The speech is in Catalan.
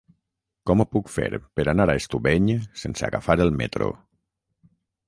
Com ho puc fer per anar a Estubeny sense agafar el metro?